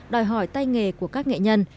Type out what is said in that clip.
đòi hỏi tay nghề của các nghệ nhân